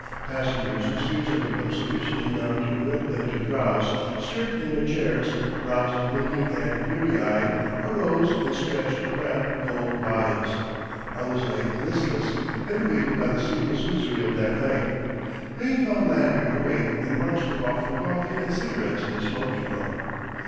Passengers whose fears had become sufficiently numb to permit them to drowse, stirred in their chairs, roused blinking and blear eyed, arose and stretched cramped, cold bodies. Others lay listless, enervated by the sleepless misery of that night. Crane found Lanyard awake and marched him off for coffee and cigarettes in the smoking room.